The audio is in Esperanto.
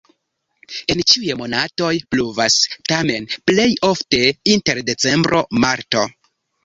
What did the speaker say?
En ĉiuj monatoj pluvas, tamen plej ofte inter decembro-marto.